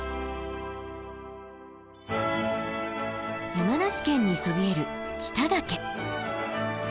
山梨県にそびえる北岳。